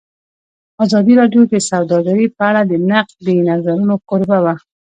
ازادي راډیو د سوداګري په اړه د نقدي نظرونو کوربه وه.